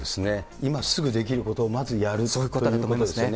今すぐできることをまずやるということですよね。